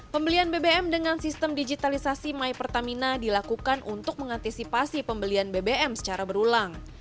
pembelian bbm dengan sistem digitalisasi my pertamina dilakukan untuk mengantisipasi pembelian bbm secara berulang